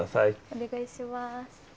お願いします。